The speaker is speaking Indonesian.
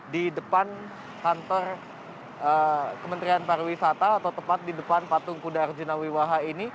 di depan kantor kementerian pariwisata atau tepat di depan patung kuda arjuna wiwaha ini